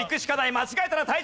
間違えたら退場！